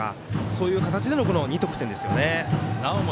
そういう形での２得点ですよね。